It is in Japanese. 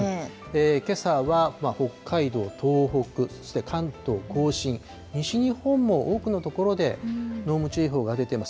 けさは北海道、東北、そして関東甲信、西日本も多くの所で、濃霧注意報が出ています。